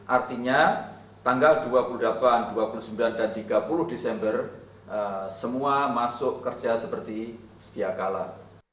artinya tanggal dua puluh delapan dua puluh sembilan dan tiga puluh desember semua masuk kerja seperti setiap kalah